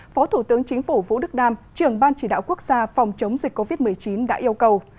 phó thủ tướng chính phủ vũ đức đam trưởng ban chỉ đạo quốc gia phòng chống dịch covid một mươi chín đã yêu cầu